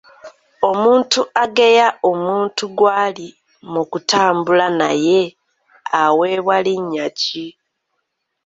Omuntu ageya omuntu gwali mu kutambula naye aweebwa linnya ki?